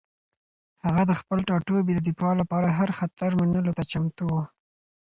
هغه د خپل ټاټوبي د دفاع لپاره هر خطر منلو ته چمتو و.